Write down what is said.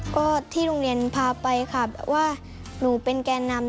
ก็ที่โรงเรียนพาไปค่ะแบบว่าหนูเป็นแก่นำ